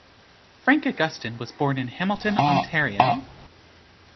Frank Augustyn was born in Hamilton, Ontario.